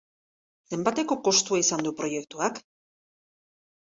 Zenbateko kostua izan du proiektuak?